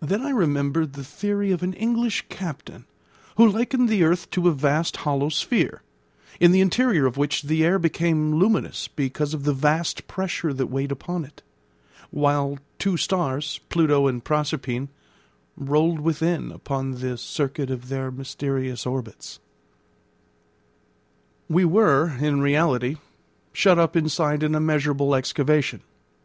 Then I remembered the theory of an English captain, who likened the earth to a vast hollow sphere, in the interior of which the air became luminous because of the vast pressure that weighed upon it; while two stars, Pluto and Proserpine, rolled within upon the circuit of their mysterious orbits. We were in reality shut up inside an immeasurable excavation.